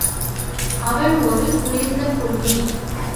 அவன் ஒரு குளிர்ந்த கொள்ளி.